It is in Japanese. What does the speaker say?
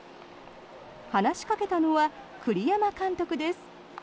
話しかけたのは栗山監督です。